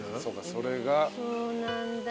そうかそれが。